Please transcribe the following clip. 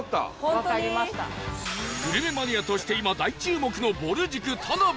グルメマニアとして今大注目のぼる塾田辺